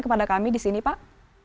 kepada kami di sini pak